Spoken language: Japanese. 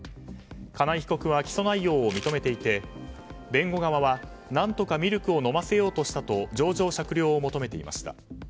金井被告は起訴内容を認めていて弁護側は何とかミルクを飲ませようとしたと情状酌量を求めていました。